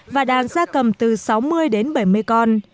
và đàn gia cầm từ sáu mươi đến bảy mươi con